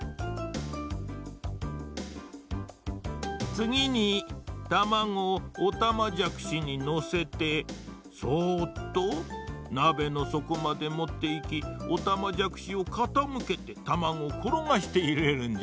つぎにたまごをおたまじゃくしにのせてそっとなべのそこまでもっていきおたまじゃくしをかたむけてたまごをころがしていれるんじゃ。